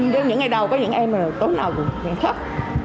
có những ngày đầu có những ngày sau tối nào cũng thất